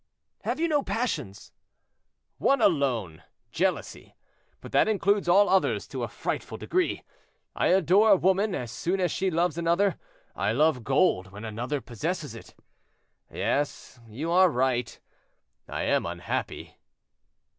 "Have you no passions?" "One alone, jealousy; but that includes all others to a frightful degree. I adore a woman, as soon as she loves another; I love gold, when another possesses it;—yes, you are right, I am unhappy."